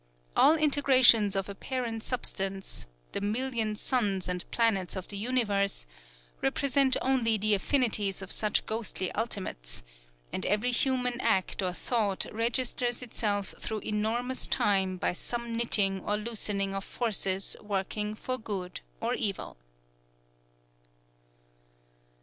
All integrations of apparent substance, the million suns and planets of the universe, represent only the affinities of such ghostly ultimates; and every human act or thought registers itself through enormous time by some knitting or loosening of forces working for good or evil.